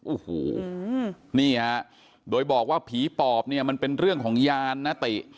โอ้โหนี่ฮะโดยบอกว่าผีปอบเนี่ยมันเป็นเรื่องของยานนะติ